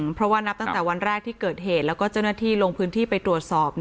เพราะว่านับตั้งแต่วันแรกที่เกิดเหตุแล้วก็เจ้าหน้าที่ลงพื้นที่ไปตรวจสอบ